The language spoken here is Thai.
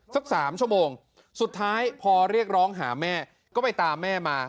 สัก๓ชั่วโมงสุดท้ายพอเรียกร้องหาแม่ก็ไปตามแม่มา